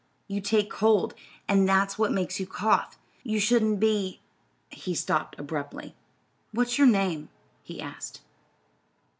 You take cold, and that's what makes you cough. You shouldn't be " he stopped abruptly. "What's your name?" he asked.